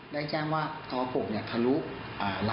ได้แจ้งว่ากรกบทะลุรังขึ้นมาและรังหน้าเก่าผูกนะครับ